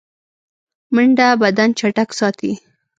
منډه بدن چټک ساتي